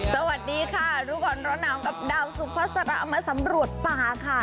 สวัสดีค่ะทุกคนร้อนน้ำกับดาวสุภาษระมาสำรวจป่าค่ะ